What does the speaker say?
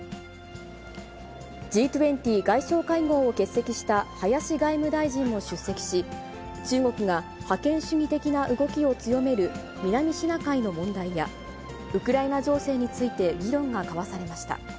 Ｇ２０外相会合を欠席した林外務大臣も出席し、中国が覇権主義的な動きを強める南シナ海の問題や、ウクライナ情勢について議論が交わされました。